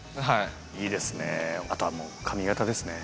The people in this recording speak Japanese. いいですね、あと、髪形ですね。